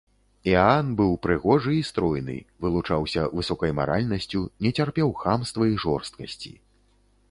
Іаан быў прыгожы і стройны, вылучаўся высокай маральнасцю, не цярпеў хамства і жорсткасці.